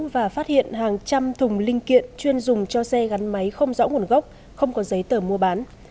và phát hiện hàng trăm thùng linh kiện chuyên dùng cho xe gắn máy không rõ nguồn gốc không có giấy tờ mua bán